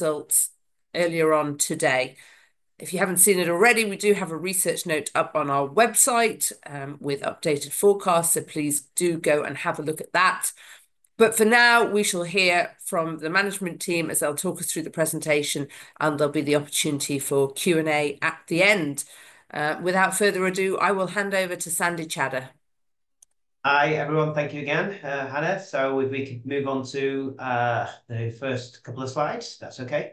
Results earlier on today. If you haven't seen it already, we do have a research note up on our website with updated forecasts, so please do go and have a look at that. But for now, we shall hear from the management team as they'll talk us through the presentation, and there'll be the opportunity for Q&A at the end. Without further ado, I will hand over to Sandy Chadha. Hi, everyone. Thank you again, Hannah. So if we could move on to the first couple of slides, that's okay.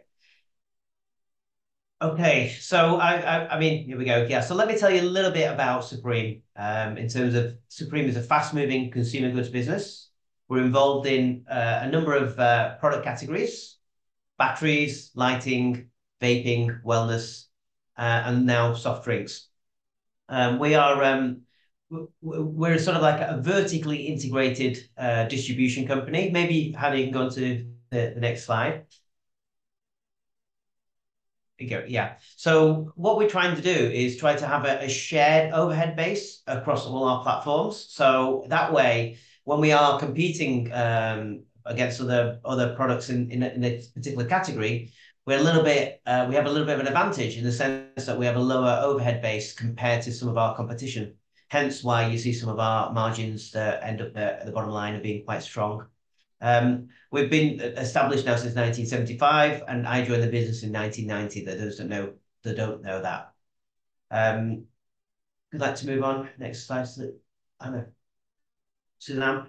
Okay, so I mean, here we go. Yeah. So let me tell you a little bit about Supreme in terms of Supreme as a fast-moving consumer goods business. We're involved in a number of product categories: batteries, lighting, vaping, wellness, and now soft drinks. We're sort of like a vertically integrated distribution company. Maybe Hannah, you can go on to the next slide. There you go. Yeah. So what we're trying to do is try to have a shared overhead base across all our platforms. So that way, when we are competing against other products in this particular category, we have a little bit of an advantage in the sense that we have a lower overhead base compared to some of our competition. Hence why you see some of our margins that end up at the bottom line are being quite strong. We've been established now since 1975, and I joined the business in 1990. For those that don't know that, I'd like to move on to the next slide. Hannah? Suzanne?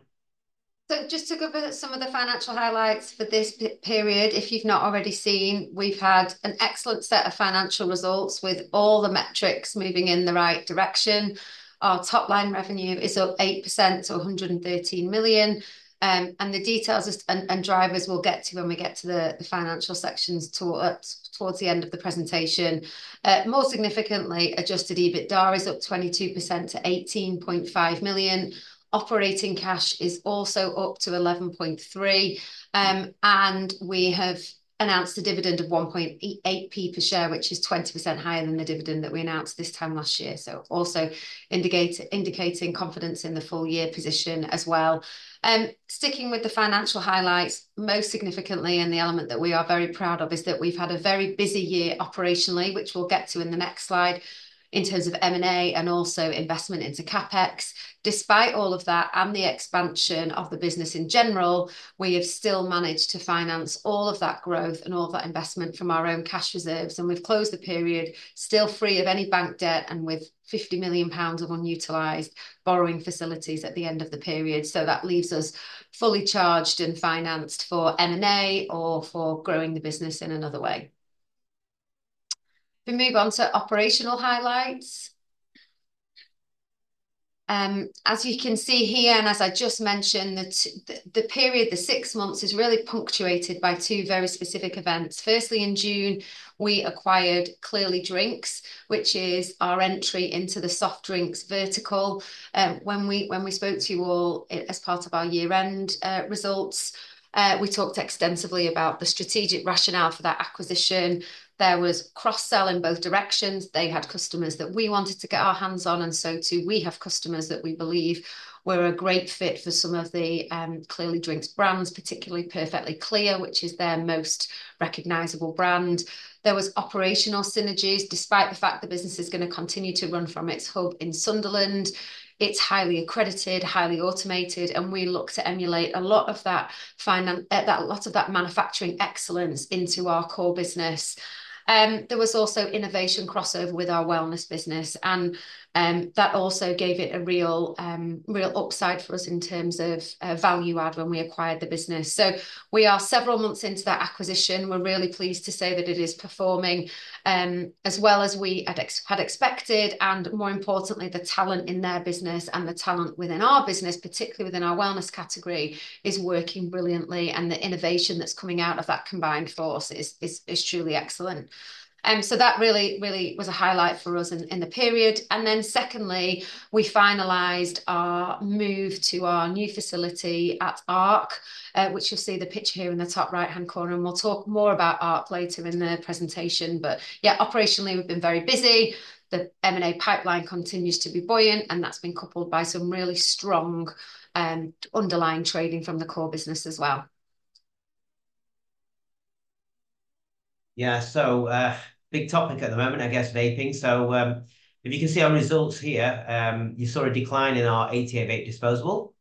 So just to give some of the financial highlights for this period, if you've not already seen, we've had an excellent set of financial results with all the metrics moving in the right direction. Our top-line revenue is up 8%, so 113 million. And the details and drivers we'll get to when we get to the financial sections towards the end of the presentation. More significantly, Adjusted EBITDA is up 22% to 18.5 million. Operating cash is also up to 11.3 million. And we have announced a dividend of 1.88p per share, which is 20% higher than the dividend that we announced this time last year. So also indicating confidence in the full-year position as well. Sticking with the financial highlights, most significantly, and the element that we are very proud of is that we've had a very busy year operationally, which we'll get to in the next slide in terms of M&A and also investment into CapEx. Despite all of that and the expansion of the business in general, we have still managed to finance all of that growth and all of that investment from our own cash reserves, and we've closed the period still free of any bank debt and with £50 million of unutilized borrowing facilities at the end of the period, so that leaves us fully charged and financed for M&A or for growing the business in another way. If we move on to operational highlights. As you can see here, and as I just mentioned, the period, the six months, is really punctuated by two very specific events. Firstly, in June, we acquired Clearly Drinks, which is our entry into the soft drinks vertical. When we spoke to you all as part of our year-end results, we talked extensively about the strategic rationale for that acquisition. There was cross-sell in both directions. They had customers that we wanted to get our hands on, and so too we have customers that we believe were a great fit for some of the Clearly Drinks brands, particularly Perfectly Clear, which is their most recognizable brand. There was operational synergies, despite the fact the business is going to continue to run from its hub in Sunderland. It's highly accredited, highly automated, and we look to emulate a lot of that manufacturing excellence into our core business. There was also innovation crossover with our wellness business, and that also gave it a real upside for us in terms of value add when we acquired the business, so we are several months into that acquisition. We're really pleased to say that it is performing as well as we had expected, and more importantly, the talent in their business and the talent within our business, particularly within our wellness category, is working brilliantly. And the innovation that's coming out of that combined force is truly excellent, so that really was a highlight for us in the period, and then secondly, we finalized our move to our new facility at Arc, which you'll see the picture here in the top right-hand corner. And we'll talk more about Arc later in the presentation, but yeah, operationally, we've been very busy. The M&A pipeline continues to be buoyant, and that's been coupled by some really strong underlying trading from the core business as well. Yeah, so big topic at the moment, I guess, vaping. So if you can see our results here, you saw a decline in our 88Vape disposable.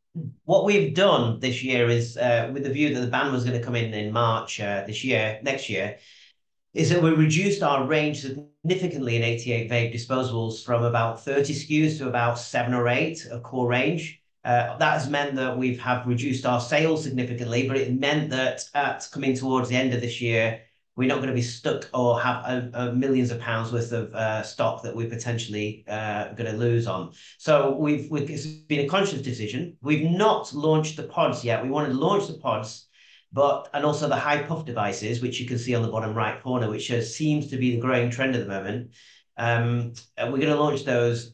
What we've done this year is, with the view that the ban was going to come in in March next year, is that we reduced our range significantly in 88Vape disposables from about 30 SKUs to about seven or eight, a core range. That has meant that we've reduced our sales significantly, but it meant that coming towards the end of this year, we're not going to be stuck or have millions of pounds' worth of stock that we're potentially going to lose on. So it's been a conscious decision. We've not launched the pods yet. We want to launch the pods and also the high-puff devices, which you can see on the bottom right corner, which seems to be the growing trend at the moment. We're going to launch those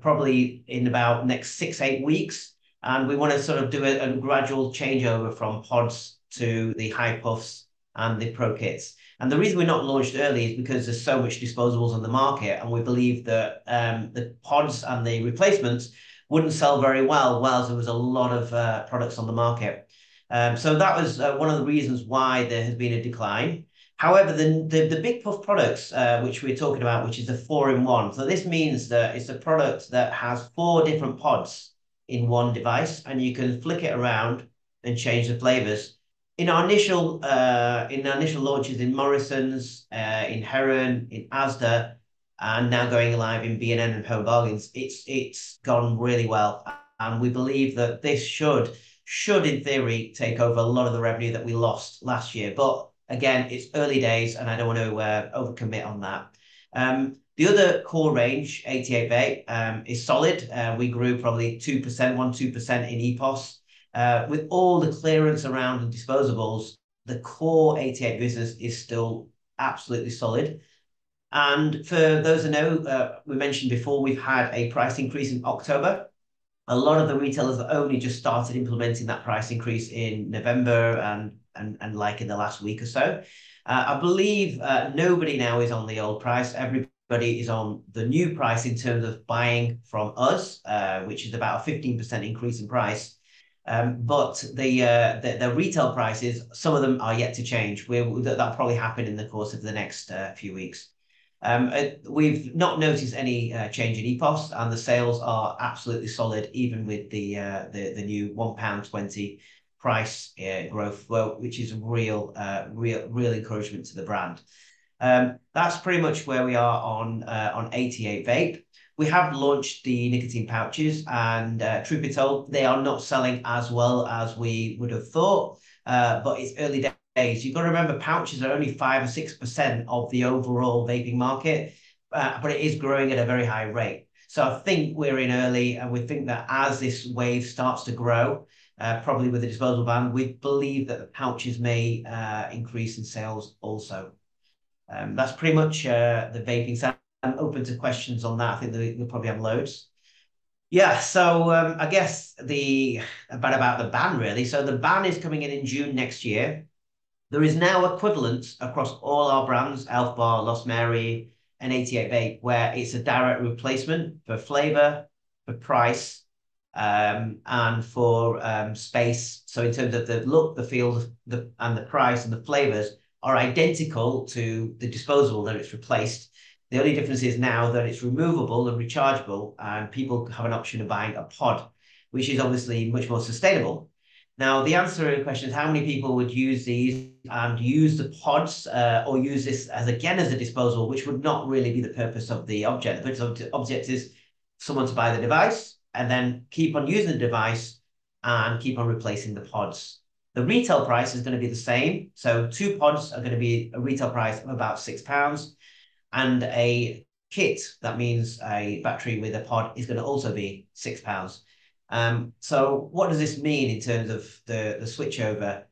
probably in about the next six-to-eight weeks, and we want to sort of do a gradual changeover from pods to the high-puffs and the Pro Kits. And the reason we're not launched early is because there's so much disposables on the market, and we believe that the pods and the replacements wouldn't sell very well while there was a lot of products on the market. So that was one of the reasons why there has been a decline. However, the big-puff products which we're talking about, which is a four-in-one. So this means that it's a product that has four different pods in one device, and you can flick it around and change the flavors. In our initial launches in Morrisons, in Heron, in Asda, and now going live in B&M and Home Bargains, it's gone really well. And we believe that this should, in theory, take over a lot of the revenue that we lost last year. But again, it's early days, and I don't want to overcommit on that. The other core range, 88Vape, is solid. We grew probably 2%, 1%, 2% in EPOS. With all the clearance around the disposables, the core 88 business is still absolutely solid. And for those who know, we mentioned before we've had a price increase in October. A lot of the retailers have only just started implementing that price increase in November and in the last week or so. I believe nobody now is on the old price. Everybody is on the new price in terms of buying from us, which is about a 15% increase in price. But the retail prices, some of them are yet to change. That'll probably happen in the course of the next few weeks. We've not noticed any change in EPOS, and the sales are absolutely solid, even with the new 1.20 pound price growth, which is a real encouragement to the brand. That's pretty much where we are on 88Vape. We have launched the nicotine pouches, and truth be told, they are not selling as well as we would have thought. But it's early days. You've got to remember, pouches are only 5% or 6% of the overall vaping market, but it is growing at a very high rate. So I think we're in early, and we think that as this wave starts to grow, probably with the disposable ban, we believe that the pouches may increase in sales also. That's pretty much the vaping side. I'm open to questions on that. I think we'll probably have loads. Yeah, so I guess about the ban, really. So the ban is coming in in June next year. There is now equivalents across all our brands, Elf Bar, Lost Mary, and 88Vape, where it's a direct replacement for flavor, for price, and for space. So in terms of the look, the feel, and the price and the flavors are identical to the disposable that it's replaced. The only difference is now that it's removable and rechargeable, and people have an option of buying a pod, which is obviously much more sustainable. Now, the answer to the question is how many people would use these and use the pods or use this again as a disposable, which would not really be the purpose of the object. The purpose of the object is someone to buy the device and then keep on using the device and keep on replacing the pods. The retail price is going to be the same. So two pods are going to be a retail price of about 6 pounds, and a kit, that means a battery with a pod, is going to also be 6 pounds. So what does this mean in terms of the switchover?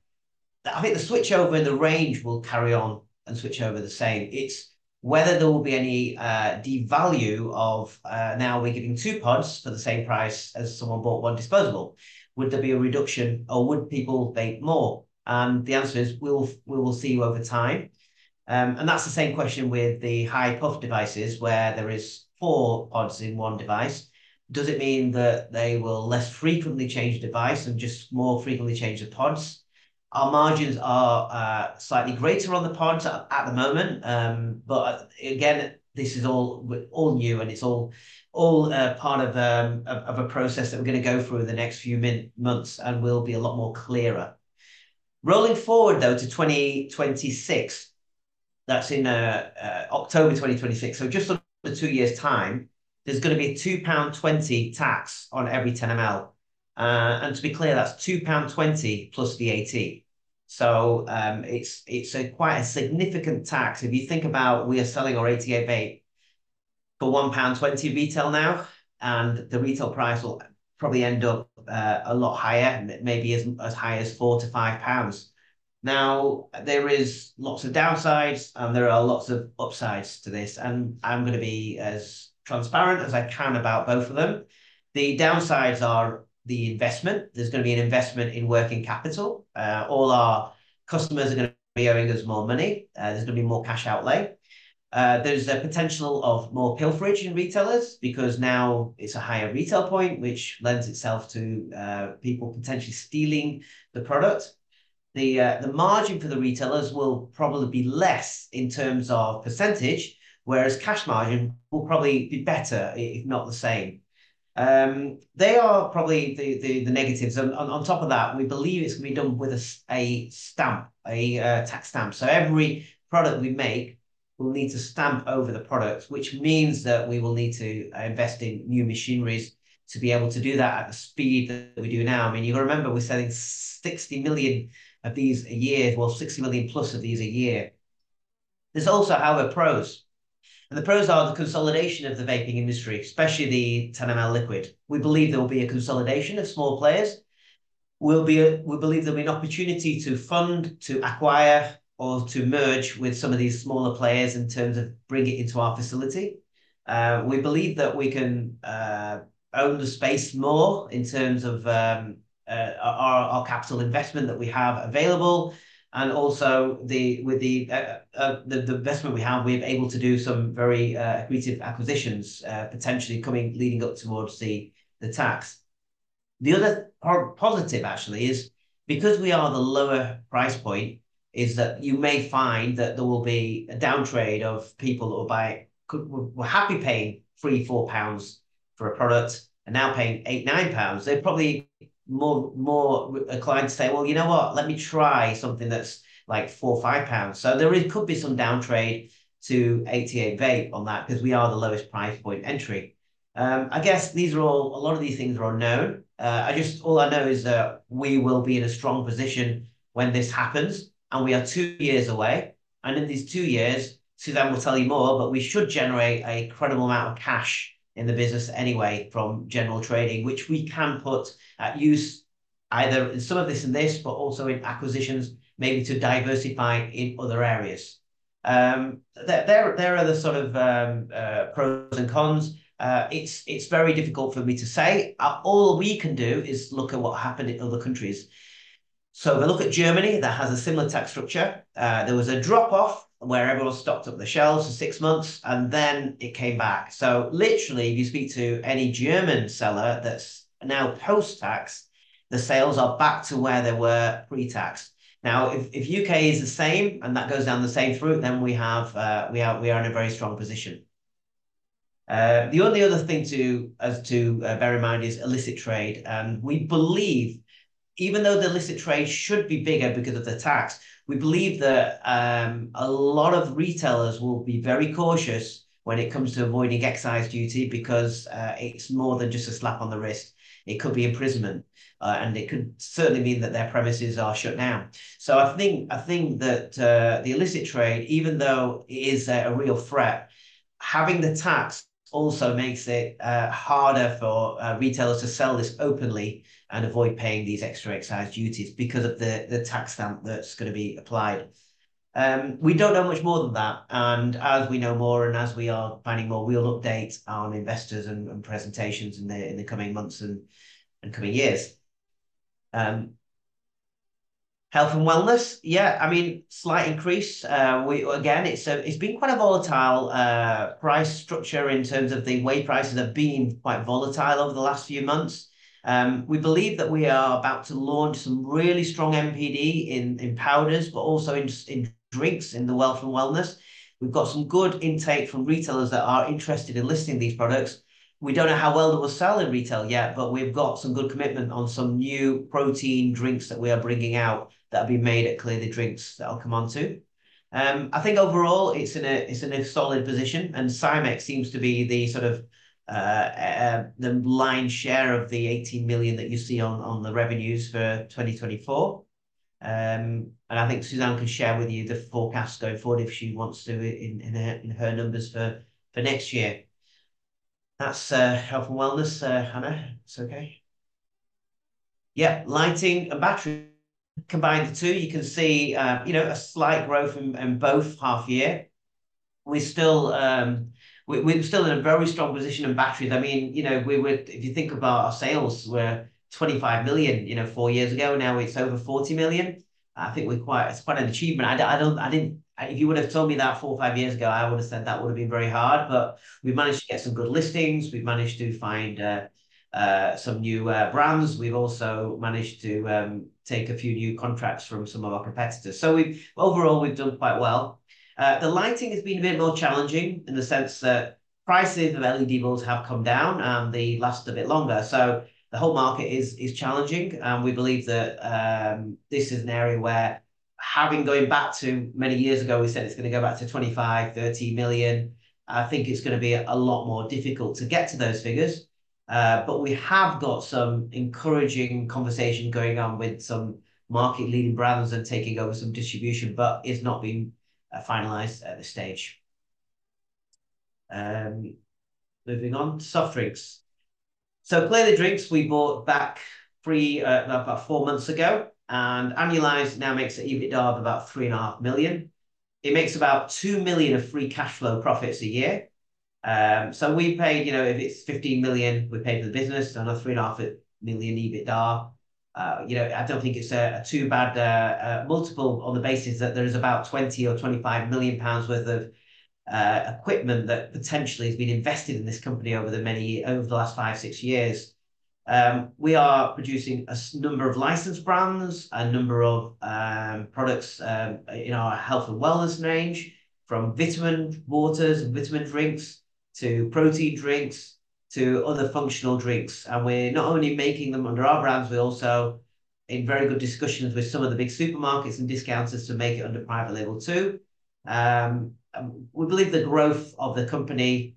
I think the switchover in the range will carry on and switch over the same. It's whether there will be any devalue of now we're giving two pods for the same price as someone bought one disposable. Would there be a reduction, or would people vape more? And the answer is we will see over time. And that's the same question with the high-puff devices where there are four pods in one device. Does it mean that they will less frequently change device and just more frequently change the pods? Our margins are slightly greater on the pods at the moment. But again, this is all new, and it's all part of a process that we're going to go through in the next few months, and we'll be a lot more clearer. Rolling forward, though, to 2026, that's in October 2026. So just under two years' time, there's going to be a 2.20 pound tax on every 10 ml. And to be clear, that's 2.20 pound plus VAT. So it's quite a significant tax. If you think about we are selling our 88 vape for 1.20 pound retail now, and the retail price will probably end up a lot higher, maybe as high as 4-5 pounds. Now, there are lots of downsides, and there are lots of upsides to this. And I'm going to be as transparent as I can about both of them. The downsides are the investment. There's going to be an investment in working capital. All our customers are going to be owing us more money. There's going to be more cash outlay. There's a potential of more pilferage in retailers because now it's a higher retail point, which lends itself to people potentially stealing the product. The margin for the retailers will probably be less in terms of percentage, whereas cash margin will probably be better, if not the same. They are probably the negatives. On top of that, we believe it's going to be done with a stamp, a tax stamp. So every product we make will need to stamp over the products, which means that we will need to invest in new machineries to be able to do that at the speed that we do now. I mean, you've got to remember we're selling 60 million of these a year, well, 60 million plus of these a year. There's also, however, pros, and the pros are the consolidation of the vaping industry, especially the 10 ml liquid. We believe there will be a consolidation of small players. We believe there'll be an opportunity to fund, to acquire, or to merge with some of these smaller players in terms of bringing it into our facility. We believe that we can own the space more in terms of our capital investment that we have available. Also, with the investment we have, we're able to do some very creative acquisitions potentially leading up towards the tax. The other positive, actually, is because we are the lower price point, is that you may find that there will be a downtrade of people who were happy paying 3-4 pounds for a product and now paying 8-9 pounds. They're probably more inclined to say, "Well, you know what? Let me try something that's like 4-5 pounds." So there could be some downtrade to 88Vape on that because we are the lowest price point entry. I guess a lot of these things are unknown. All I know is that we will be in a strong position when this happens, and we are two years away. In these two years, Suzanne will tell you more, but we should generate a credible amount of cash in the business anyway from general trading, which we can put at use either in some of this and this, but also in acquisitions, maybe to diversify in other areas. There are other sort of pros and cons. It's very difficult for me to say. All we can do is look at what happened in other countries. So if I look at Germany, that has a similar tax structure. There was a drop-off where everyone stocked up the shelves for six months, and then it came back. So literally, if you speak to any German seller that's now post-tax, the sales are back to where they were pre-tax. Now, if the UK is the same and that goes down the same route, then we are in a very strong position. The only other thing to bear in mind is illicit trade. We believe, even though the illicit trade should be bigger because of the tax, we believe that a lot of retailers will be very cautious when it comes to avoiding excise duty because it's more than just a slap on the wrist. It could be imprisonment, and it could certainly mean that their premises are shut down, so I think that the illicit trade, even though it is a real threat, having the tax also makes it harder for retailers to sell this openly and avoid paying these extra excise duties because of the tax stamp that's going to be applied. We don't know much more than that, and as we know more and as we are finding more, we'll update our investors and presentations in the coming months and coming years. Health and wellness, yeah, I mean, slight increase. Again, it's been quite a volatile price structure in terms of the way prices have been quite volatile over the last few months. We believe that we are about to launch some really strong NPD in powders, but also in drinks in the health and wellness. We've got some good intake from retailers that are interested in listing these products. We don't know how well they will sell in retail yet, but we've got some good commitment on some new protein drinks that we are bringing out that have been made at Clearly Drinks that I'll come on to. I think overall, it's in a solid position, and Sci-MX seems to be the sort of lion's share of the 18 million that you see on the revenues for 2024. I think Suzanne can share with you the forecast going forward if she wants to in her numbers for next year. That's health and wellness, Hannah. It's okay. Yeah, lighting and battery. Combine the two, you can see a slight growth in both half-year. We're still in a very strong position in batteries. I mean, if you think about our sales, we were 25 million four years ago. Now it's over 40 million. I think it's quite an achievement. If you would have told me that four or five years ago, I would have said that would have been very hard, but we've managed to get some good listings. We've managed to find some new brands. We've also managed to take a few new contracts from some of our competitors, so overall, we've done quite well. The lighting has been a bit more challenging in the sense that prices of LED bulbs have come down, and they last a bit longer, so the whole market is challenging. We believe that this is an area where having gone back to many years ago, we said it's going to go back to 25, 30 million. I think it's going to be a lot more difficult to get to those figures, but we have got some encouraging conversation going on with some market-leading brands and taking over some distribution, but it's not been finalized at this stage. Moving on to soft drinks, so Clearly Drinks, we bought back about four months ago, and annualized now makes an EBITDA of about 3.5 million. It makes about 2 million of free cash flow profits a year, so if it's 15 million, we pay for the business, another 3.5 million EBITDA. I don't think it's not too bad multiple on the basis that there is about 20 million or 25 million pounds worth of equipment that potentially has been invested in this company over the last five, six years. We are producing a number of licensed brands, a number of products in our health and wellness range, from Vitamin Waters and Vitamin Drinks to protein drinks to other functional drinks. We're not only making them under our brands, we're also in very good discussions with some of the big supermarkets and discounters to make it under private label too. We believe the growth of the company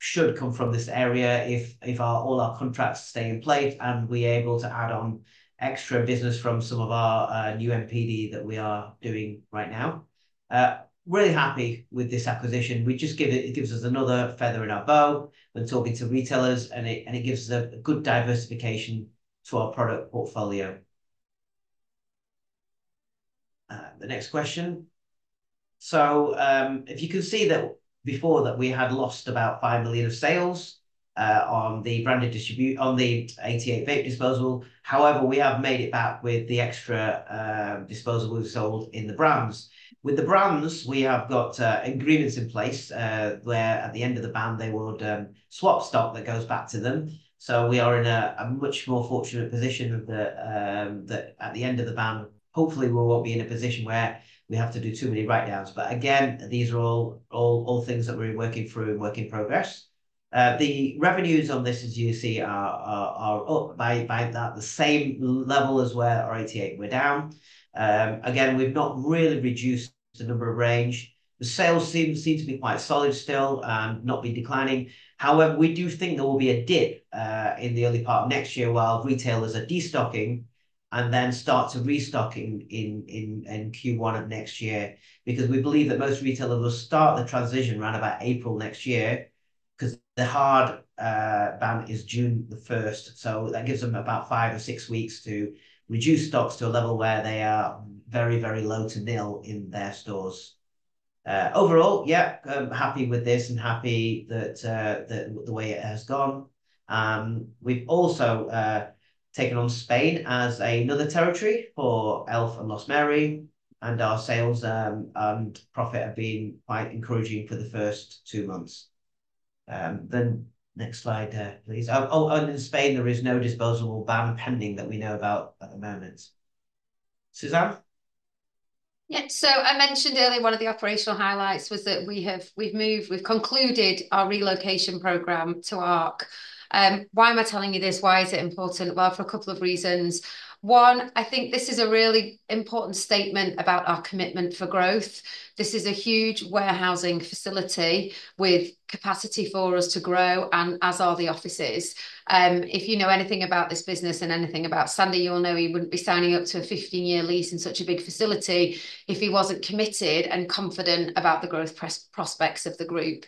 should come from this area if all our contracts stay in place and we're able to add on extra business from some of our new NPD that we are doing right now. Really happy with this acquisition. It gives us another feather in our bow when talking to retailers, and it gives us a good diversification to our product portfolio. The next question. So if you can see that before that we had lost about five million of sales on the 88Vape disposable. However, we have made it back with the extra disposable we sold in the brands. With the brands, we have got agreements in place where at the end of the ban, they would swap stock that goes back to them. So we are in a much more fortunate position that at the end of the ban, hopefully, we won't be in a position where we have to do too many write-downs. But again, these are all things that we're working through and work in progress. The revenues on this, as you see, are up by the same level as where our 88 were down. Again, we've not really reduced the number of range. The sales seem to be quite solid still and not be declining. However, we do think there will be a dip in the early part of next year while retailers are destocking and then start to restock in Q1 of next year because we believe that most retailers will start the transition around about April next year because the hard ban is June 1st. So that gives them about five or six weeks to reduce stocks to a level where they are very, very low to nil in their stores. Overall, yeah, happy with this and happy with the way it has gone. We've also taken on Spain as another territory for Elf Bar and Lost Mary, and our sales and profit have been quite encouraging for the first two months. Then next slide, please. Oh, and in Spain, there is no disposable ban pending that we know about at the moment. Suzanne? Yeah, so I mentioned earlier one of the operational highlights was that we've moved, we've concluded our relocation program to Arc. Why am I telling you this? Why is it important? Well, for a couple of reasons. One, I think this is a really important statement about our commitment for growth. This is a huge warehousing facility with capacity for us to grow, and so are the offices. If you know anything about this business and anything about Sandy, you'll know he wouldn't be signing up to a 15-year lease in such a big facility if he wasn't committed and confident about the growth prospects of the group.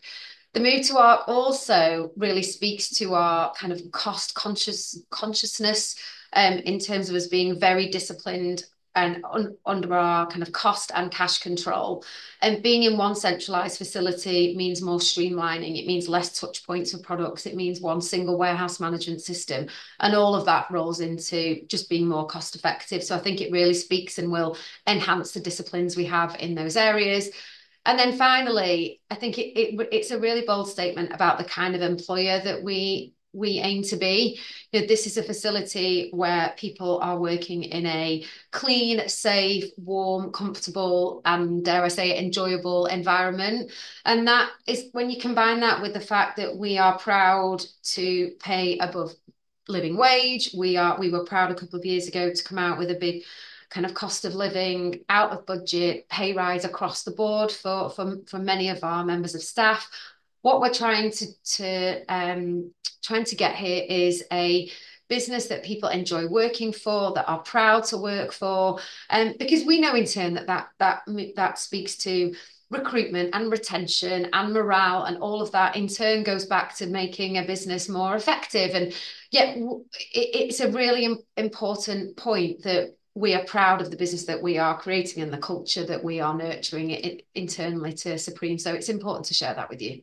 The move to Arc also really speaks to our kind of cost consciousness in terms of us being very disciplined and under our kind of cost and cash control, and being in one centralized facility means more streamlining. It means less touch points for products. It means one single warehouse management system, and all of that rolls into just being more cost-effective, so I think it really speaks and will enhance the disciplines we have in those areas, and then finally, I think it's a really bold statement about the kind of employer that we aim to be. This is a facility where people are working in a clean, safe, warm, comfortable, and dare I say, enjoyable environment, and that is when you combine that with the fact that we are proud to pay above living wage. We were proud a couple of years ago to come out with a big kind of cost of living, out-of-budget pay rise across the board for many of our members of staff. What we're trying to get here is a business that people enjoy working for, that are proud to work for. Because we know in turn that that speaks to recruitment and retention and morale and all of that in turn goes back to making a business more effective, and yeah, it's a really important point that we are proud of the business that we are creating and the culture that we are nurturing internally to Supreme. It's important to share that with you.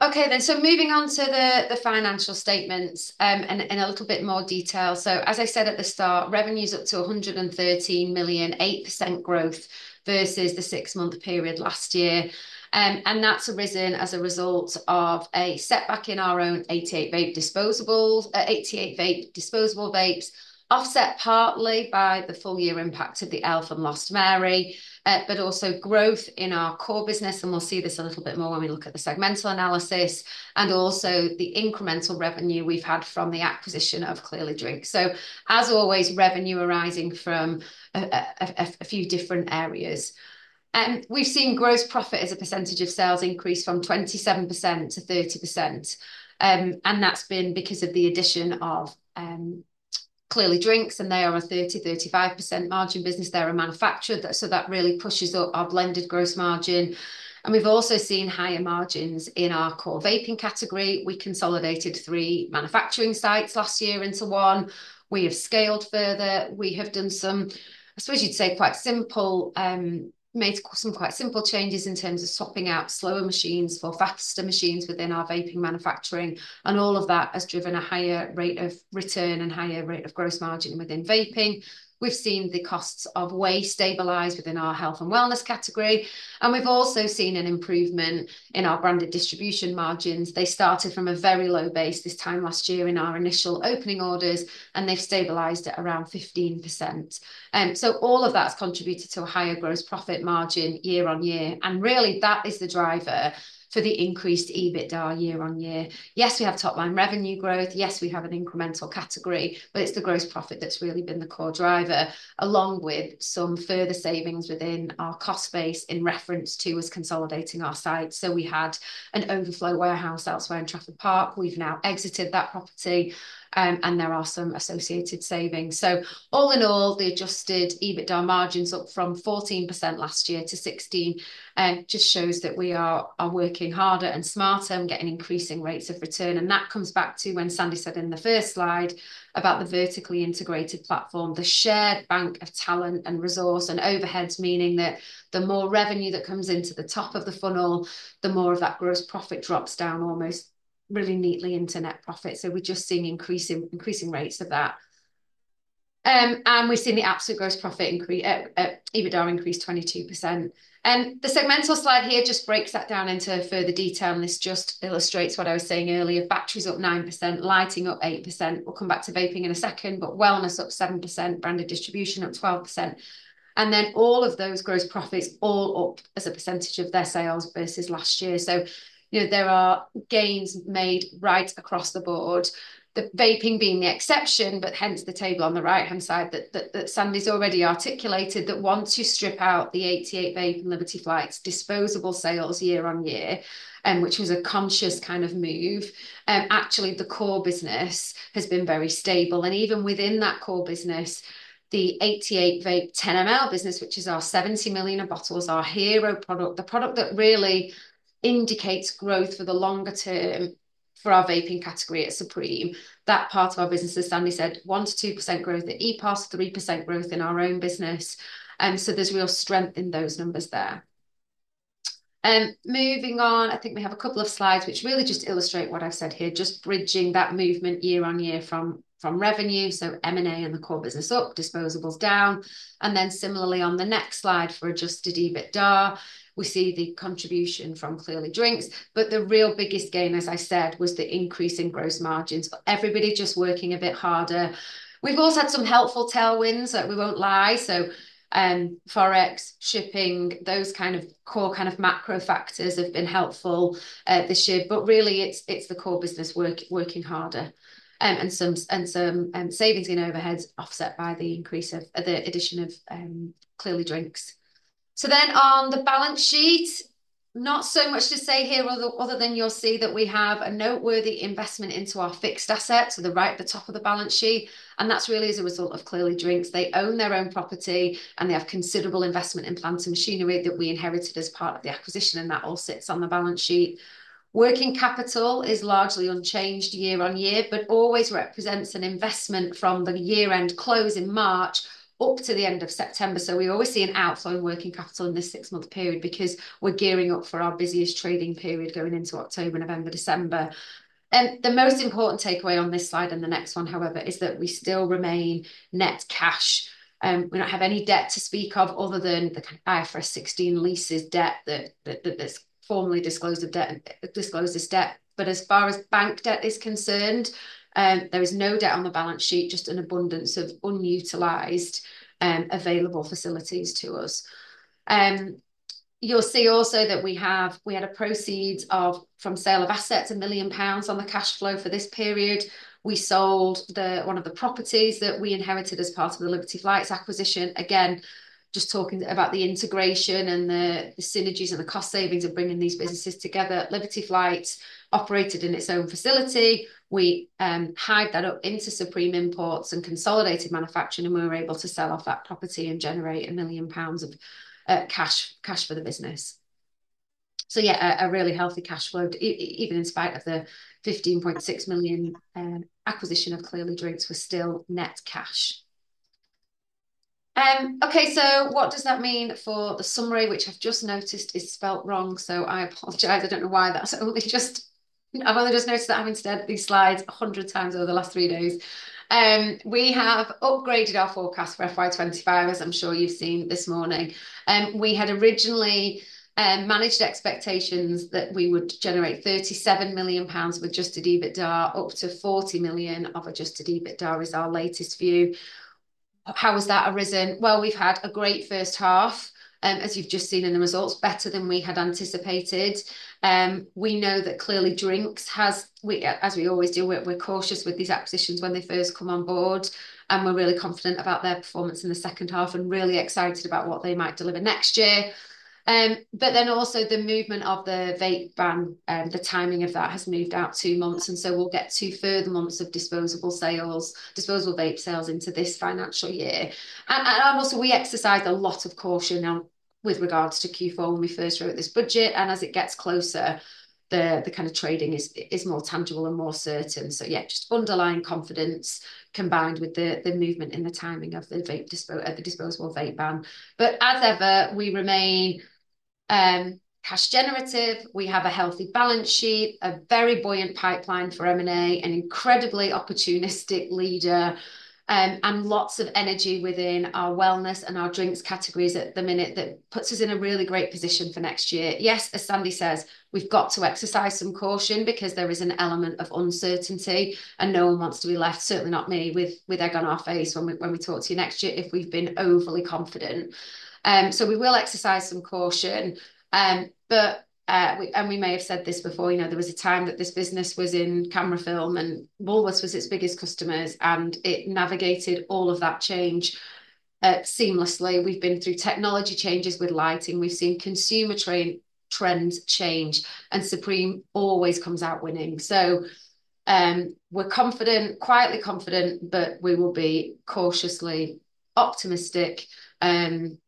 Okay, then. Moving on to the financial statements in a little bit more detail. As I said at the start, revenues up to 113 million, 8% growth versus the six-month period last year. That's arisen as a result of a setback in our own 88Vape disposable vapes, offset partly by the full-year impact of the Elf Bar and Lost Mary, but also growth in our core business. We'll see this a little bit more when we look at the segmental analysis and also the incremental revenue we've had from the acquisition of Clearly Drinks. As always, revenue arising from a few different areas. We've seen gross profit as a percentage of sales increase from 27% to 30%. That's been because of the addition of Clearly Drinks, and they are a 30%-35% margin business. They're a manufacturer, so that really pushes up our blended gross margin. And we've also seen higher margins in our core vaping category. We consolidated three manufacturing sites last year into one. We have scaled further. We have done some quite simple changes in terms of swapping out slower machines for faster machines within our vaping manufacturing. And all of that has driven a higher rate of return and higher rate of gross margin within vaping. We've seen the costs of whey stabilize within our health and wellness category. And we've also seen an improvement in our branded distribution margins. They started from a very low base this time last year in our initial opening orders, and they've stabilized at around 15%. So all of that's contributed to a higher gross profit margin year on year. Really, that is the driver for the increased EBITDA year on year. Yes, we have top-line revenue growth. Yes, we have an incremental category, but it's the gross profit that's really been the core driver, along with some further savings within our cost base in reference to us consolidating our sites. We had an overflow warehouse elsewhere in Trafford Park. We've now exited that property, and there are some associated savings. All in all, the adjusted EBITDA margins up from 14% last year to 16% just shows that we are working harder and smarter and getting increasing rates of return. That comes back to when Sandy said in the first slide about the vertically integrated platform, the shared bank of talent and resource and overheads, meaning that the more revenue that comes into the top of the funnel, the more of that gross profit drops down almost really neatly into net profit. So we're just seeing increasing rates of that. And we've seen the absolute gross profit increase, EBITDA increase 22%. And the segmental slide here just breaks that down into further detail. And this just illustrates what I was saying earlier. Batteries up 9%, lighting up 8%. We'll come back to vaping in a second, but wellness up 7%, branded distribution up 12%. And then all of those gross profits all up as a percentage of their sales versus last year. There are gains made right across the board, the vaping being the exception, but hence the table on the right-hand side that Sandy's already articulated that once you strip out the 88Vape and Liberty Flights disposable sales year on year, which was a conscious kind of move. Actually the core business has been very stable, and even within that core business, the 88Vape 10ml business, which is our 70 million of bottles, our hero product, the product that really indicates growth for the longer term for our vaping category at Supreme, that part of our business, as Sandy said, 1% to 2% growth, the EPOS, 3% growth in our own business, and so there's real strength in those numbers there. Moving on, I think we have a couple of slides which really just illustrate what I've said here, just bridging that movement year on year from revenue. M&A and the core business up, disposables down. And then similarly on the next slide for Adjusted EBITDA, we see the contribution from Clearly Drinks. But the real biggest gain, as I said, was the increase in gross margins for everybody just working a bit harder. We've also had some helpful tailwinds, we won't lie. Forex, shipping, those kind of core kind of macro factors have been helpful this year. But really, it's the core business working harder and some savings in overheads offset by the increase of the addition of Clearly Drinks. Then on the balance sheet, not so much to say here other than you'll see that we have a noteworthy investment into our fixed assets to the right at the top of the balance sheet. And that's really as a result of Clearly Drinks. They own their own property, and they have considerable investment in plant and machinery that we inherited as part of the acquisition, and that all sits on the balance sheet. Working capital is largely unchanged year on year, but always represents an investment from the year-end close in March up to the end of September. So we always see an outflow in working capital in this six-month period because we're gearing up for our busiest trading period going into October, November, December. And the most important takeaway on this slide and the next one, however, is that we still remain net cash. We don't have any debt to speak of other than the IFRS 16 leases debt that's formally disclosed as debt. But as far as bank debt is concerned, there is no debt on the balance sheet, just an abundance of unutilized available facilities to us. You'll see also that we had proceeds from sale of assets, 1 million pounds on the cash flow for this period. We sold one of the properties that we inherited as part of the Liberty Flights acquisition. Again, just talking about the integration and the synergies and the cost savings of bringing these businesses together. Liberty Flights operated in its own facility. We hired that up into Supreme Imports and consolidated manufacturing, and we were able to sell off that property and generate 1 million pounds of cash for the business. So yeah, a really healthy cash flow, even in spite of the 15.6 million acquisition of Clearly Drinks. We're still net cash. Okay, so what does that mean for the summary, which I've just noticed is spelled wrong? So I apologize. I don't know why that's only just. I've only just noticed that I've instead of these slides 100 times over the last three days. We have upgraded our forecast for FY25, as I'm sure you've seen this morning. We had originally managed expectations that we would generate 37 million pounds of adjusted EBITDA. Up to 40 million GBP of adjusted EBITDA is our latest view. How has that arisen? Well, we've had a great first half, as you've just seen in the results, better than we had anticipated. We know that Clearly Drinks has, as we always do, we're cautious with these acquisitions when they first come on board, and we're really confident about their performance in the second half and really excited about what they might deliver next year. But then also the movement of the vape ban, the timing of that has moved out two months. And so we'll get two further months of disposable sales, disposable vape sales into this financial year. We also exercise a lot of caution now with regards to Q4 when we first wrote this budget. As it gets closer, the kind of trading is more tangible and more certain. Yeah, just underlying confidence combined with the movement in the timing of the disposable vape ban. As ever, we remain cash generative. We have a healthy balance sheet, a very buoyant pipeline for M&A, an incredibly opportunistic leader, and lots of energy within our wellness and our drinks categories at the minute that puts us in a really great position for next year. Yes, as Sandy says, we've got to exercise some caution because there is an element of uncertainty, and no one wants to be left, certainly not me, with egg on our face when we talk to you next year if we've been overly confident. So we will exercise some caution. But, and we may have said this before, you know there was a time that this business was in camera film and Woolworths was its biggest customers, and it navigated all of that change seamlessly. We've been through technology changes with lighting. We've seen consumer trends change, and Supreme always comes out winning. So we're confident, quietly confident, but we will be cautiously optimistic and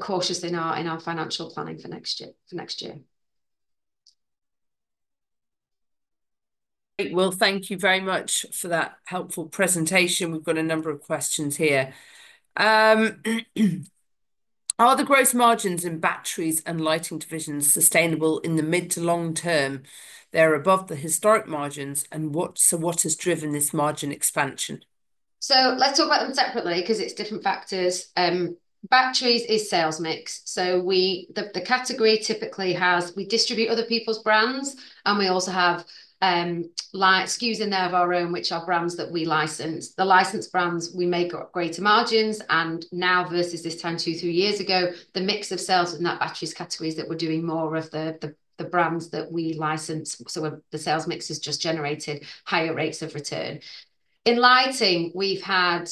cautious in our financial planning for next year. Great. Well, thank you very much for that helpful presentation. We've got a number of questions here. Are the gross margins in batteries and lighting divisions sustainable in the mid to long term? They're above the historic margins, and so what has driven this margin expansion? Let's talk about them separately because it's different factors. Batteries is sales mix. So the category typically has we distribute other people's brands, and we also have SKUs in there of our own, which are brands that we license. The licensed brands, we make greater margins. And now versus this time, two, three years ago, the mix of sales in that batteries category is that we're doing more of the brands that we license. So the sales mix has just generated higher rates of return. In lighting, we've had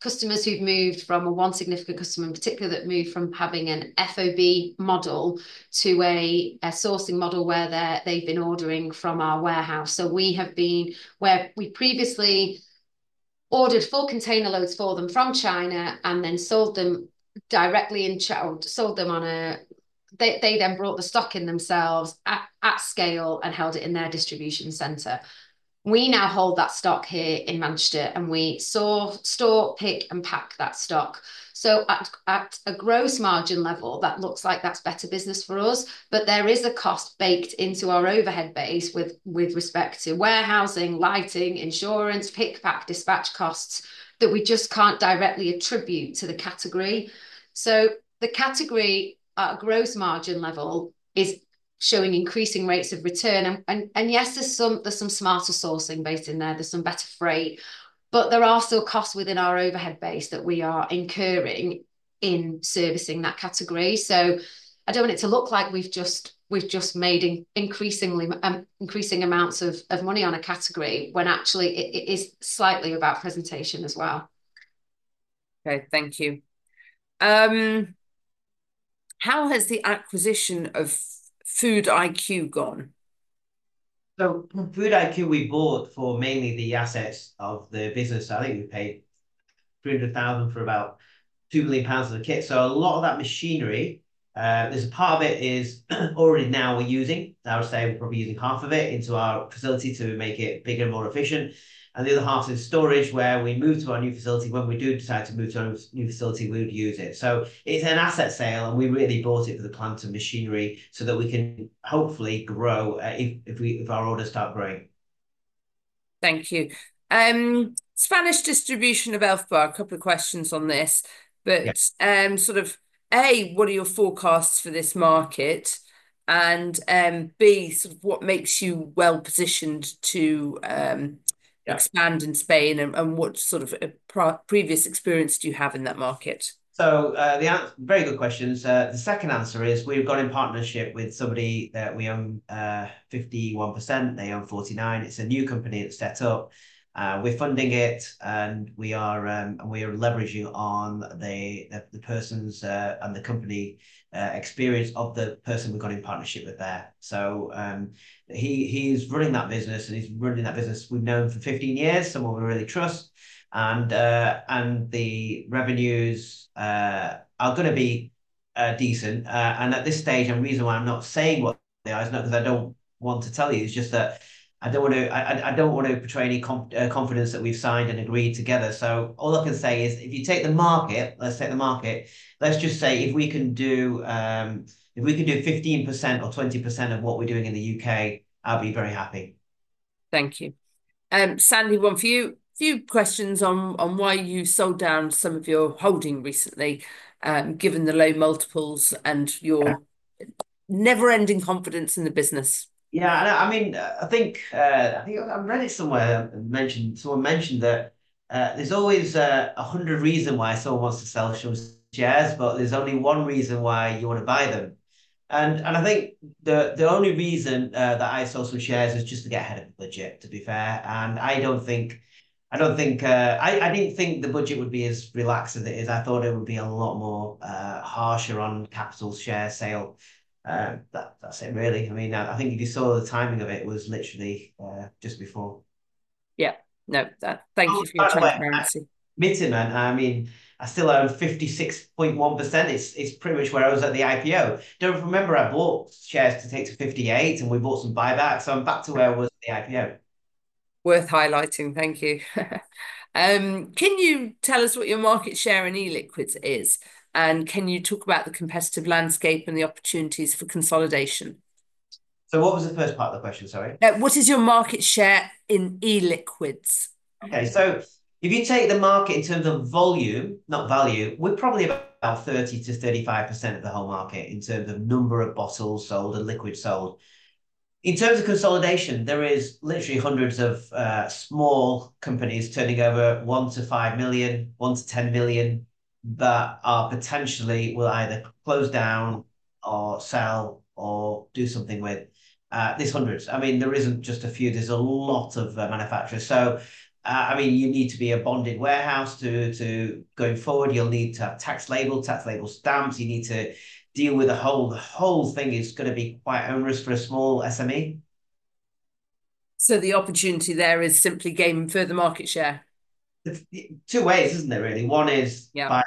customers who've moved, one significant customer in particular that moved from having an FOB model to a sourcing model where they've been ordering from our warehouse. So we have been where we previously ordered full container loads for them from China and then sold them directly in, sold them on a, they then brought the stock in themselves at scale and held it in their distribution center. We now hold that stock here in Manchester, and we store, pick, and pack that stock. So at a gross margin level, that looks like that's better business for us, but there is a cost baked into our overhead base with respect to warehousing, lighting, insurance, pick and pack, dispatch costs that we just can't directly attribute to the category. So the category gross margin level is showing increasing rates of return. And yes, there's some smarter sourcing based in there. There's some better freight, but there are still costs within our overhead base that we are incurring in servicing that category. So I don't want it to look like we've just made increasing amounts of money on a category when actually it is slightly about presentation as well. Okay, thank you. How has the acquisition of Food IQ gone? So Food IQ, we bought for mainly the assets of the business. I think we paid 300,000 for about 2 million pounds of the kit. So a lot of that machinery, there's a part of it is already now we're using. I would say we're probably using half of it into our facility to make it bigger and more efficient. And the other half is storage where we moved to our new facility. When we do decide to move to our new facility, we would use it. So it's an asset sale, and we really bought it for the plant and machinery so that we can hopefully grow if our orders start growing. Thank you. Spanish distribution of Elf Bar, a couple of questions on this, but sort of A, what are your forecasts for this market? And B, sort of what makes you well positioned to expand in Spain and what sort of previous experience do you have in that market? So the answer, very good questions. The second answer is we've gone in partnership with somebody that we own 51%. They own 49%. It's a new company that's set up. We're funding it, and we are leveraging on the person's and the company experience of the person we've got in partnership with there. So he's running that business. We've known him for 15 years, someone we really trust. And the revenues are going to be decent. And at this stage, and the reason why I'm not saying what the size is because I don't want to tell you, it's just that I don't want to portray any confidence that we've signed and agreed together. So all I can say is if you take the market, let's take the market. Let's just say if we can do, if we can do 15% or 20% of what we're doing in the U.K., I'll be very happy. Thank you. Sandy, one for you. A few questions on why you sold down some of your holding recently, given the low multiples and your never-ending confidence in the business. Yeah, I mean, I think I've read it somewhere. Someone mentioned that there's always a hundred reasons why someone wants to sell some shares, but there's only one reason why you want to buy them, and I think the only reason that I sold some shares was just to get ahead of the budget, to be fair, and I don't think, I didn't think the budget would be as relaxed as it is. I thought it would be a lot more harsher on capital share sale. That's it, really. I mean, I think if you saw the timing of it, it was literally just before. Yeah. No, thank you for your transparency. I mean, I still own 56.1%. It's pretty much where I was at the IPO. Don't remember I bought shares to take to 58, and we bought some buybacks. So I'm back to where I was at the IPO. Worth highlighting. Thank you. Can you tell us what your market share in e-liquids is? And can you talk about the competitive landscape and the opportunities for consolidation? So what was the first part of the question, sorry? What is your market share in e-liquids? Okay, so if you take the market in terms of volume, not value, we're probably about 30%-35% of the whole market in terms of number of bottles sold and liquid sold. In terms of consolidation, there are literally hundreds of small companies turning over 1-5 million, 1-10 million, that are potentially will either close down or sell or do something with these hundreds. I mean, there isn't just a few. There's a lot of manufacturers. So I mean, you need to be a bonded warehouse to go forward. You'll need to have tax labels, tax label stamps. You need to deal with the whole thing. It's going to be quite onerous for a small SME. So the opportunity there is simply gaining further market share? Two ways, isn't there really? One is by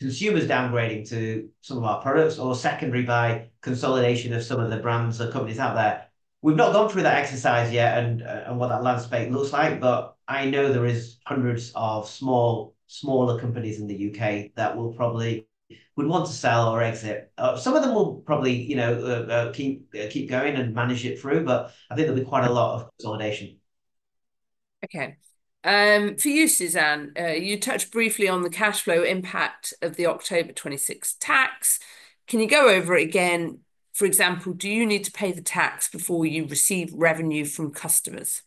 consumers downgrading to some of our products or secondary by consolidation of some of the brands or companies out there. We've not gone through that exercise yet and what that landscape looks like, but I know there are hundreds of small smaller companies in the U.K. that will probably want to sell or exit. Some of them will probably keep going and manage it through, but I think there'll be quite a lot of consolidation. Okay. For you, Suzanne, you touched briefly on the cash flow impact of the October 26 tax. Can you go over it again? For example, do you need to pay the tax before you receive revenue from customers?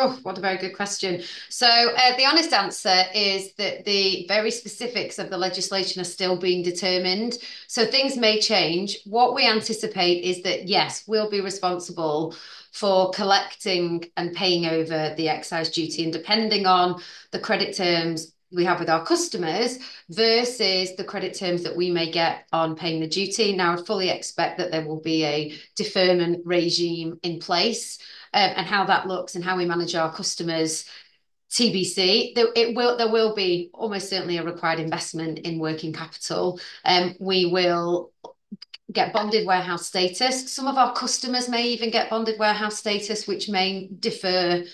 Oh, what a very good question. So the honest answer is that the very specifics of the legislation are still being determined. So things may change. What we anticipate is that, yes, we'll be responsible for collecting and paying over the excise duty and depending on the credit terms we have with our customers versus the credit terms that we may get on paying the duty. Now, I fully expect that there will be a deferment regime in place and how that looks and how we manage our customers, TBC. There will be almost certainly a required investment in working capital. We will get bonded warehouse status. Some of our customers may even get bonded warehouse status, which may defer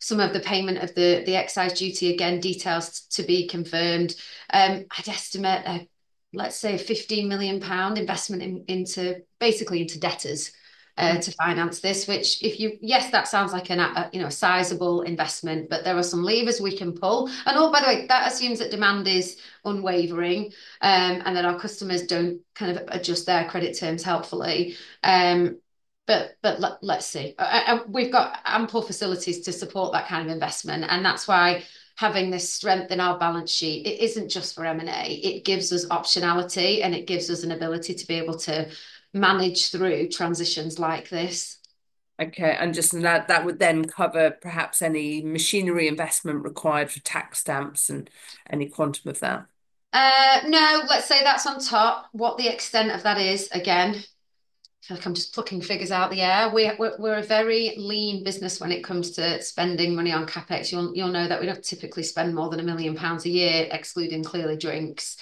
some of the payment of the excise duty. Again, details to be confirmed. I'd estimate, let's say, a £15 million investment into basically debtors to finance this, which if you, yes, that sounds like a sizable investment, but there are some levers we can pull. And oh, by the way, that assumes that demand is unwavering and that our customers don't kind of adjust their credit terms helpfully. But let's see. We've got ample facilities to support that kind of investment. And that's why having this strength in our balance sheet, it isn't just for M&A. It gives us optionality and it gives us an ability to be able to manage through transitions like this. Okay. And just that would then cover perhaps any machinery investment required for tax stamps and any quantum of that? No, let's say that's on top. What the extent of that is, again, I feel like I'm just plucking figures out of the air. We're a very lean business when it comes to spending money on CapEx. You'll know that we don't typically spend more than 1 million pounds a year, excluding Clearly Drinks.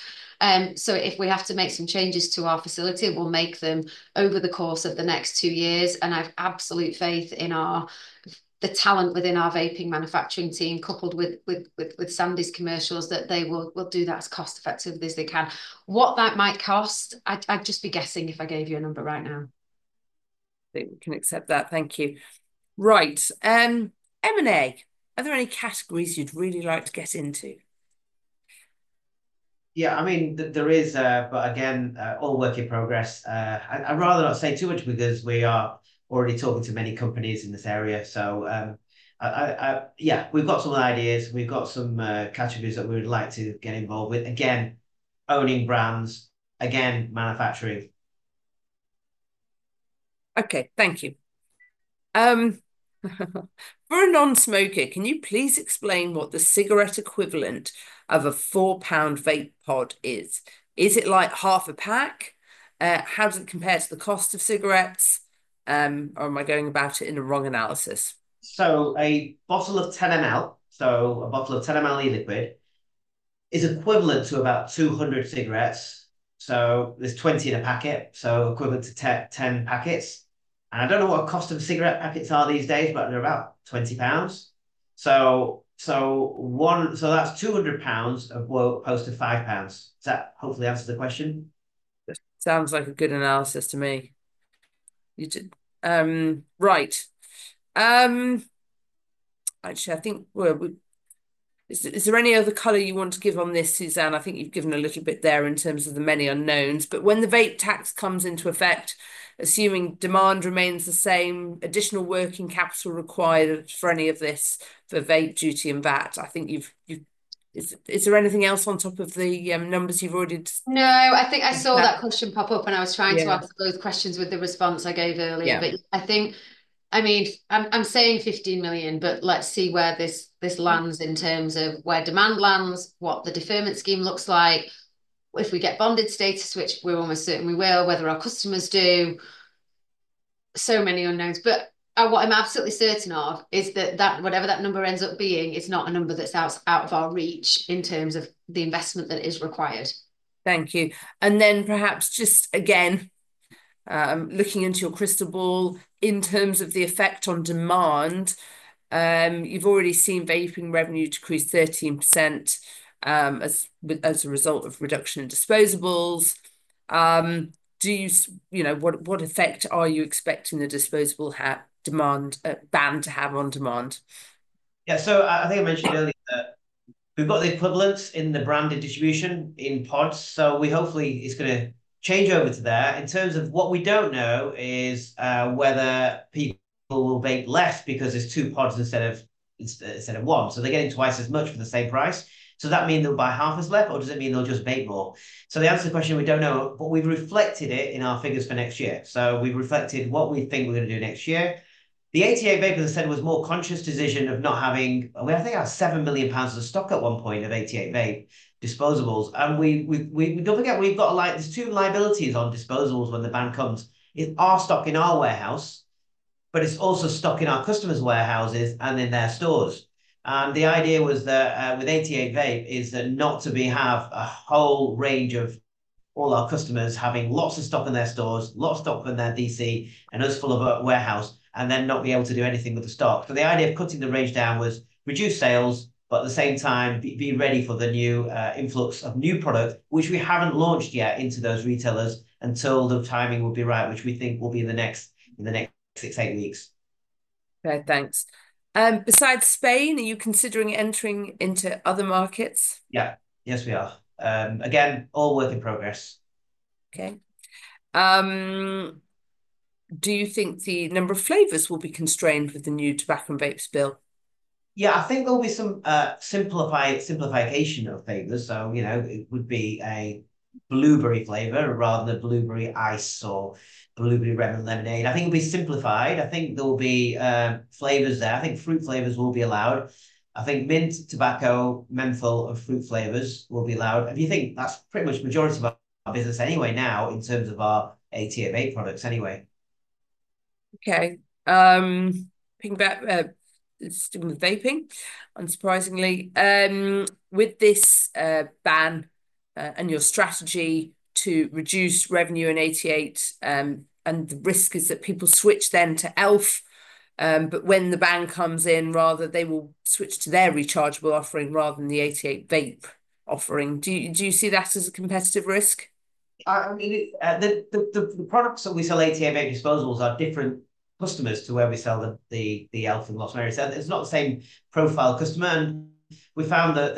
So if we have to make some changes to our facility, we'll make them over the course of the next two years. And I have absolute faith in the talent within our vaping manufacturing team, coupled with Sandy's commercials, that they will do that as cost-effectively as they can. What that might cost, I'd just be guessing if I gave you a number right now. I think we can accept that. Thank you. Right. M&A, are there any categories you'd really like to get into? Yeah, I mean, there is, but again, all work in progress. I'd rather not say too much because we are already talking to many companies in this area. So yeah, we've got some ideas. We've got some categories that we would like to get involved with. Again, owning brands, again, manufacturing. Okay, thank you. For a non-smoker, can you please explain what the cigarette equivalent of a £4 vape pod is? Is it like half a pack? How does it compare to the cost of cigarettes? Or am I going about it in a wrong analysis? So a bottle of 10 ml, so a bottle of 10 ml e-liquid is equivalent to about 200 cigarettes. So there's 20 in a packet, so equivalent to 10 packets. And I don't know what the cost of cigarette packets are these days, but they're about £20. So that's £200 opposed to £5. Does that hopefully answer the question? Sounds like a good analysis to me. Right. Actually, I think is there any other color you want to give on this, Suzanne? I think you've given a little bit there in terms of the many unknowns. But when the vape tax comes into effect, assuming demand remains the same, additional working capital required for any of this for vape duty and VAT? I think. Is there anything else on top of the numbers you've already? No, I think I saw that question pop up when I was trying to answer those questions with the response I gave earlier. But I think, I mean, I'm saying £15 million, but let's see where this lands in terms of where demand lands, what the deferment scheme looks like. If we get bonded status, which we're almost certain we will, whether our customers do, so many unknowns. But what I'm absolutely certain of is that whatever that number ends up being, it's not a number that's out of our reach in terms of the investment that is required. Thank you. And then perhaps just again, looking into your crystal ball in terms of the effect on demand, you've already seen vaping revenue decrease 13% as a result of reduction in disposables. What effect are you expecting the disposable ban to have on demand? Yeah, so I think I mentioned earlier that we've got the equivalents in the branded distribution in pods. So we hopefully it's going to change over to there. In terms of what we don't know is whether people will vape less because it's two pods instead of one. So they're getting twice as much for the same price. So does that mean they'll buy half as less, or does it mean they'll just vape more? So the answer to the question, we don't know, but we've reflected it in our figures for next year. So we've reflected what we think we're going to do next year. The 88Vape, as I said, was more conscious decision of not having, I think, our 7 million pounds of stock at one point of 88Vape disposables. And we don't forget, we've got to like, there's two liabilities on disposables when the ban comes. It's our stock in our warehouse, but it's also stock in our customers' warehouses and in their stores. The idea was that with 88Vape is that not to have a whole range of all our customers having lots of stock in their stores, lots of stock in their DC, and us full of warehouse, and then not be able to do anything with the stock. The idea of cutting the range down was to reduce sales, but at the same time, be ready for the new influx of new product, which we haven't launched yet into those retailers until the timing will be right, which we think will be in the next six, eight weeks. Okay, thanks. Besides Spain, are you considering entering into other markets? Yeah, yes, we are. Again, all work in progress. Okay. Do you think the number of flavors will be constrained with the new tobacco and vapes bill? Yeah, I think there'll be some simplification of flavors. So it would be a blueberry flavor rather than a blueberry ice or blueberry red and lemonade. I think it'll be simplified. I think there'll be flavors there. I think fruit flavors will be allowed. I think mint, tobacco, menthol, and fruit flavors will be allowed. If you think that's pretty much the majority of our business anyway now in terms of our 88Vape products anyway. Okay. Back with vaping, unsurprisingly. With this ban and your strategy to reduce revenue in 88Vape, and the risk is that people switch then to Elf, but when the ban comes in, rather they will switch to their rechargeable offering rather than the 88Vape offering. Do you see that as a competitive risk? The products that we sell 88Vape disposables are different customers to where we sell the Elf and Lost Mary. It's not the same profile customer. And we found that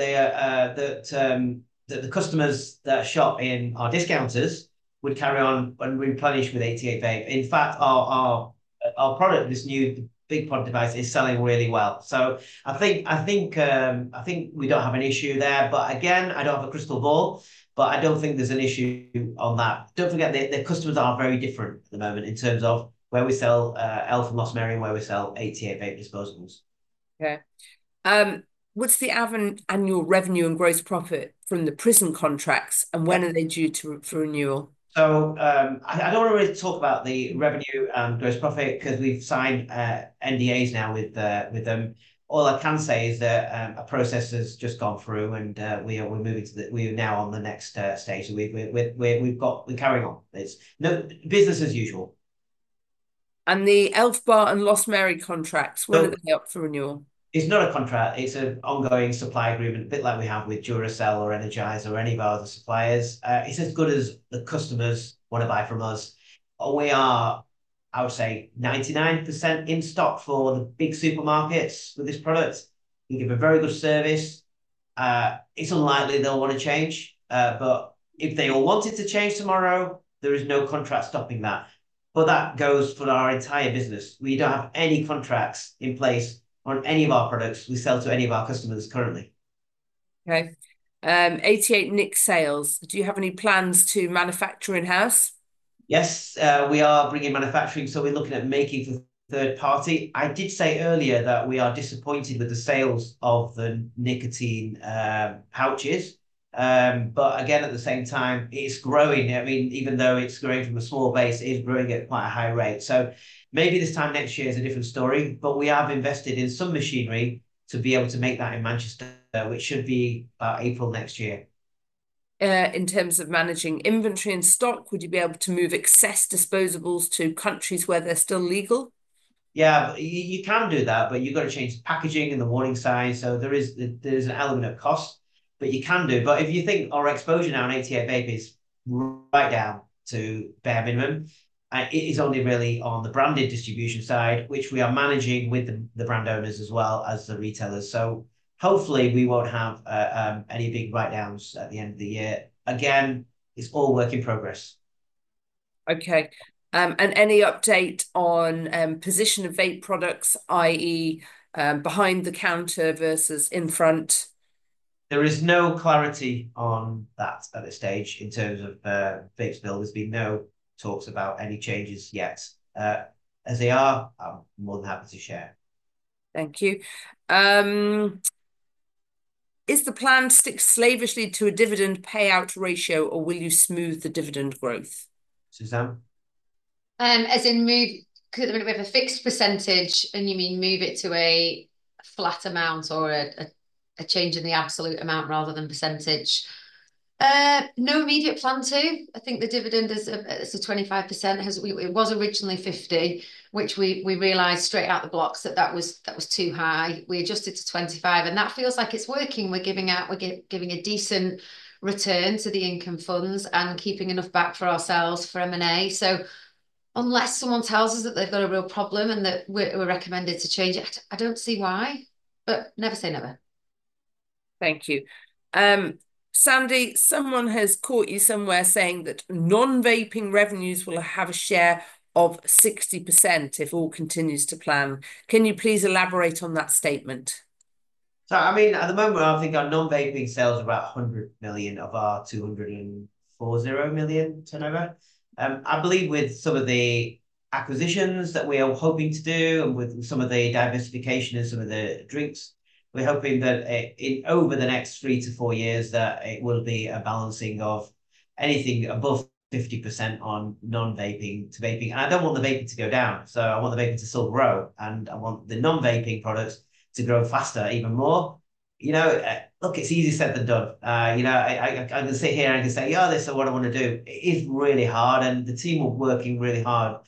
the customers that shop in our discounters would carry on and replenish with 88Vape. In fact, our product, this new big product device, is selling really well. So I think we don't have an issue there. But again, I don't have a crystal ball, but I don't think there's an issue on that. Don't forget, the customers are very different at the moment in terms of where we sell Elf Bar and Lost Mary and where we sell 88Vape disposables. Okay. What's the annual revenue and gross profit from the prison contracts, and when are they due for renewal? So I don't want to really talk about the revenue and gross profit because we've signed NDAs now with them. All I can say is that a process has just gone through, and we are now on the next stage. We're carrying on. It's business as usual. And the Elf Bar and Lost Mary contracts, what do they offer renewal? It's not a contract. It's an ongoing supply agreement, a bit like we have with Duracell or Energizer or any of our other suppliers. It's as good as the customers want to buy from us. We are, I would say, 99% in stock for the big supermarkets with this product. We give a very good service. It's unlikely they'll want to change. But if they all wanted to change tomorrow, there is no contract stopping that. But that goes for our entire business. We don't have any contracts in place on any of our products we sell to any of our customers currently. Okay. 88Vape sales. Do you have any plans to manufacture in-house? Yes, we are bringing manufacturing. So we're looking at making for third party. I did say earlier that we are disappointed with the sales of the nicotine pouches. But again, at the same time, it's growing. I mean, even though it's growing from a small base, it is growing at quite a high rate. So maybe this time next year is a different story, but we have invested in some machinery to be able to make that in Manchester, which should be about April next year. In terms of managing inventory and stock, would you be able to move excess disposables to countries where they're still legal? Yeah, you can do that, but you've got to change the packaging and the warning signs. So there is an element of cost, but you can do. But if you think our exposure now in 88Vape is right down to bare minimum, it is only really on the branded distribution side, which we are managing with the brand owners as well as the retailers. So hopefully we won't have any big write-downs at the end of the year. Again, it's all work in progress. Okay. And any update on position of vape products, i.e., behind the counter versus in front? There is no clarity on that at this stage in terms of vape bill. There's been no talks about any changes yet. As they are, I'm more than happy to share. Thank you. Is the plan to stick slavishly to a dividend payout ratio, or will you smooth the dividend growth? Suzanne? As in, move a bit of a fixed percentage, and you mean move it to a flat amount or a change in the absolute amount rather than percentage. No immediate plan to. I think the dividend is a 25%. It was originally 50%, which we realized straight out of the box that that was too high. We adjusted to 25%, and that feels like it's working. We're giving a decent return to the income funds and keeping enough back for ourselves for M&A. So unless someone tells us that they've got a real problem and that we're recommended to change it, I don't see why, but never say never. Thank you. Sandy, someone has caught you somewhere saying that non-vaping revenues will have a share of 60% if all continues to plan. Can you please elaborate on that statement? So I mean, at the moment, I think our non-vaping sales are about 100 million of our 240 million turnover. I believe with some of the acquisitions that we are hoping to do and with some of the diversification and some of the drinks, we're hoping that over the next three to four years that it will be a balancing of anything above 50% on non-vaping to vaping. And I don't want the vaping to go down. So I want the vaping to still grow. And I want the non-vaping products to grow faster, even more. Look, it's easier said than done. I can sit here and I can say, "Yeah, this is what I want to do." It is really hard. The team are working really hard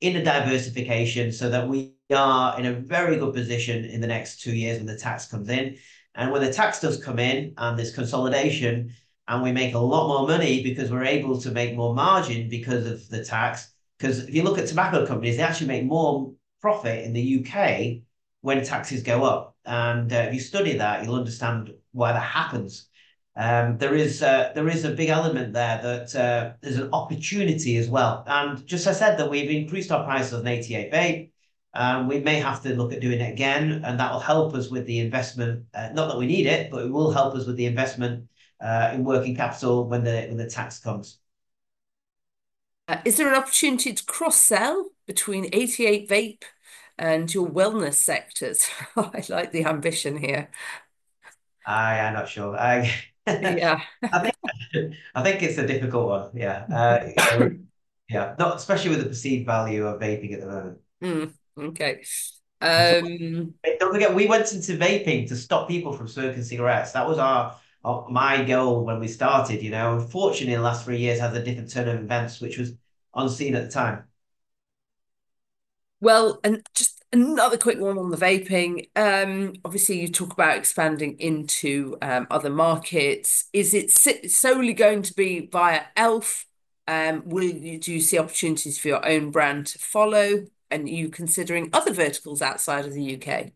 in a diversification so that we are in a very good position in the next two years when the tax comes in. When the tax does come in and there's consolidation and we make a lot more money because we're able to make more margin because of the tax. Because if you look at tobacco companies, they actually make more profit in the U.K. when taxes go up. If you study that, you'll understand why that happens. There is a big element there that there's an opportunity as well. Just as I said, that we've increased our price of 88Vape. We may have to look at doing it again, and that will help us with the investment. Not that we need it, but it will help us with the investment in working capital when the tax comes. Is there an opportunity to cross-sell between 88Vape and your wellness sectors? I like the ambition here. I am not sure. I think it's a difficult one. Yeah. Yeah. Not especially with the perceived value of vaping at the moment. Okay. Don't forget, we went into vaping to stop people from smoking cigarettes. That was my goal when we started. Unfortunately, in the last three years, it has a different turn of events, which was unseen at the time, well, and just another quick one on the vaping. Obviously, you talk about expanding into other markets. Is it solely going to be via Elf? Do you see opportunities for your own brand to follow? And are you considering other verticals outside of the U.K.?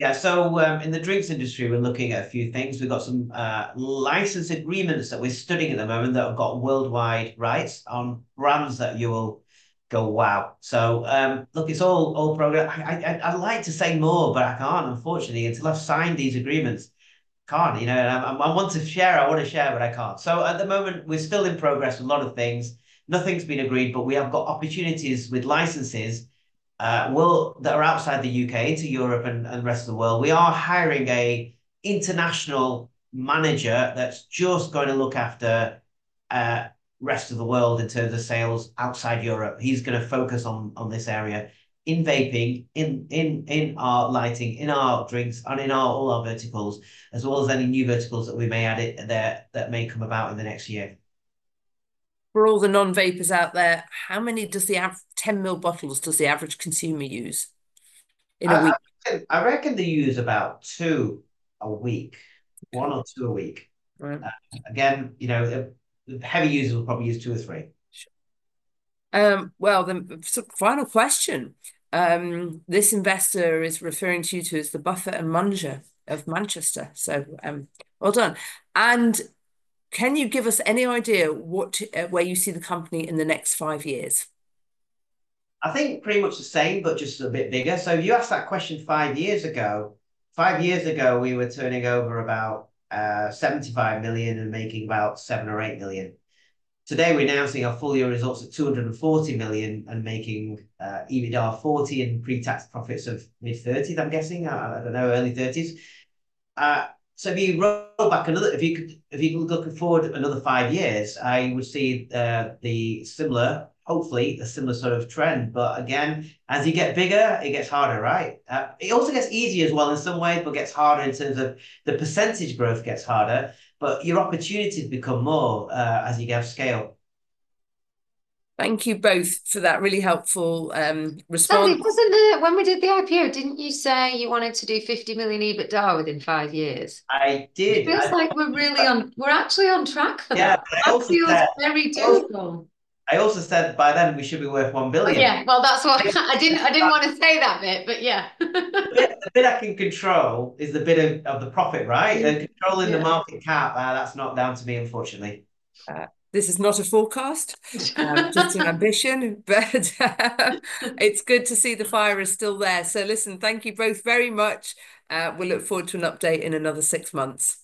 Yeah. So in the drinks industry, we're looking at a few things. We've got some license agreements that we're studying at the moment that have got worldwide rights on brands that you will go, "Wow." So look, it's all progress. I'd like to say more, but I can't, unfortunately, until I've signed these agreements. I can't. I want to share. I want to share, but I can't. So at the moment, we're still in progress with a lot of things. Nothing's been agreed, but we have got opportunities with licenses that are outside the UK to Europe and the rest of the world. We are hiring an international manager that's just going to look after the rest of the world in terms of sales outside Europe. He's going to focus on this area in vaping, in our lighting, in our drinks, and in all our verticals, as well as any new verticals that we may add that may come about in the next year. For all the non-vapers out there, how many does the 10 ml bottles does the average consumer use in a week? I reckon they use about two a week, one or two a week. Again, heavy users will probably use two or three. The final question. This investor is referring to you as the Buffett and Muncher of Manchester. So well done. And can you give us any idea where you see the company in the next five years? I think pretty much the same, but just a bit bigger. So if you asked that question five years ago, five years ago, we were turning over about £75 million and making about £7 or £8 million. Today, we're announcing our full year results at £240 million and making EBITDA £40 and pre-tax profits of mid-30s, I'm guessing. I don't know, early 30s. So if you roll back another, if you look forward another five years, I would see the similar, hopefully, the similar sort of trend. But again, as you get bigger, it gets harder, right? It also gets easier as well in some ways, but gets harder in terms of the percentage growth gets harder. But your opportunities become more as you get upscale. Thank you both for that really helpful response. When we did the IPO, didn't you say you wanted to do £50 million EBITDA within five years? I did. It feels like we're really on, we're actually on track for that. I feel very doable. I also said by then we should be worth one billion. Yeah. Well, that's why I didn't want to say that bit, but yeah. The bit I can control is the bit of the profit, right? And controlling the market cap, that's not down to me, unfortunately. This is not a forecast. It's an ambition, but it's good to see the fire is still there. So listen, thank you both very much. We'll look forward to an update in another six months.